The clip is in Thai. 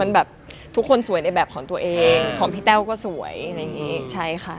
ค่ะแบบทุกคนสวยในแบบของตัวเองของพี่แต้วก็สวยค่ะ